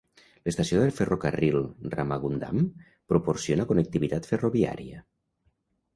L'estació de ferrocarril Ramagundam proporciona connectivitat ferroviària.